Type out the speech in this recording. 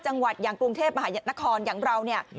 จังหวัดอย่างกรุงเทพมหานครอย่างเราเนี่ย